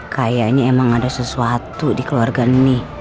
kayaknya emang ada sesuatu di keluarga ini